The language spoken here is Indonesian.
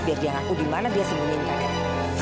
biar dia ngaku dimana dia sembunyiin kaget